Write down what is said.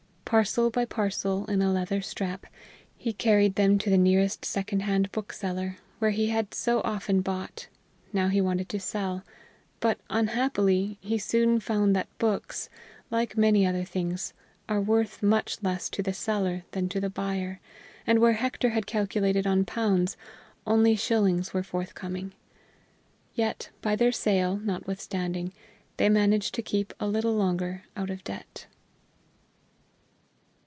Parcel by parcel in a leather strap, he carried them to the nearest secondhand bookseller, where he had so often bought; now he wanted to sell, but, unhappily, he soon found that books, like many other things, are worth much less to the seller than to the buyer, and where Hector had calculated on pounds, only shillings were forthcoming. Yet by their sale, notwithstanding, they managed to keep a little longer out of debt.